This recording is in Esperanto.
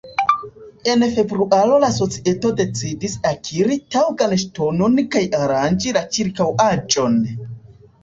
En februaro la societo decidis akiri taŭgan ŝtonon kaj aranĝi la ĉirkaŭaĵon.